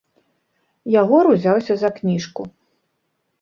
Ягор узяўся за кніжку.